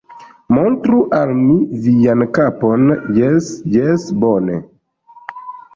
Montru al mi vian kapon. Jes, jes, bone